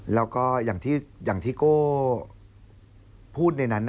แล้วก็อย่างที่โก้พูดในนั้น